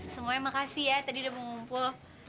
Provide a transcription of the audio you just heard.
semuanya makasih ya tadi udah mau ngumpul